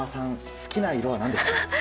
好きな色は何ですか？